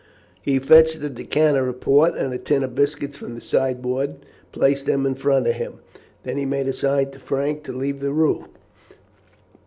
He fetched a decanter of port and a tin of biscuits from the sideboard, and placed them in front of him; then he made a sign to Frank to leave the room.